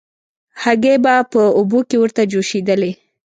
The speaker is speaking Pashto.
هګۍ به په اوبو کې ورته جوشېدلې.